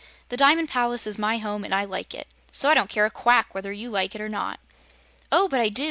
The Diamond Palace is my home, and I like it. So I don't care a quack whether YOU like it or not." "Oh, but I do!"